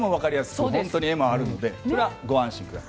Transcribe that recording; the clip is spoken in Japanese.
それは絵もあるのでご安心ください。